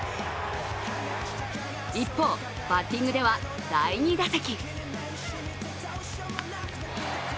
一方、バッティングでは第２打席。